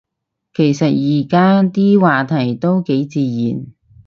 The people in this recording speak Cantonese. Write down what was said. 其實而家啲話題都幾自然